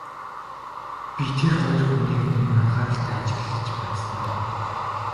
Би тэр хоёр хүнийг өмнө нь анхааралтай ажиглаж байсан уу?